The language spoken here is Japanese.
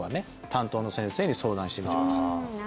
担当の先生に相談してみてください